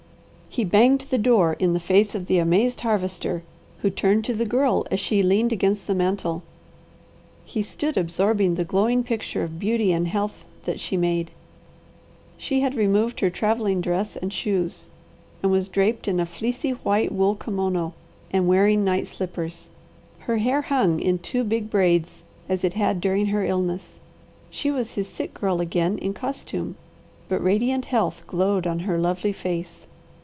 He banged the door in the face of the amazed Harvester, who turned to the Girl as she leaned against the mantel. He stood absorbing the glowing picture of beauty and health that she made. She had removed her travelling dress and shoes, and was draped in a fleecy white wool kimono and wearing night slippers. Her hair hung in two big braids as it had during her illness. She was his sick girl again in costume, but radiant health glowed on her lovely face.